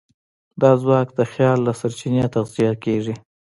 دا ځواک د خیال له سرچینې تغذیه کېږي.